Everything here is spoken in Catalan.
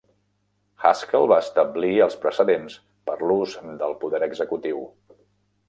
Haskell va establir els precedents per l'ús del poder executiu.